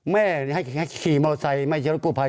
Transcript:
แม่ให้ขี่มาวาซัยไม่เจอรถกู้พาย